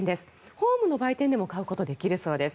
ホームの売店でも買うことができるそうです。